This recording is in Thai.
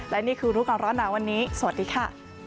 และนี่คือรู้ก่อนร้อนหนาวันนี้สวัสดีค่ะ